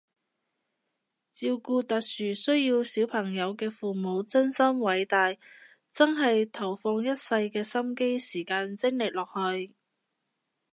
照顧特殊需要小朋友嘅父母真心偉大，真係投放一世嘅心機時間精力落去